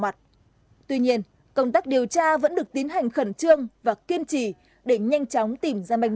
mặt tuy nhiên công tác điều tra vẫn được tiến hành khẩn trương và kiên trì để nhanh chóng tìm ra manh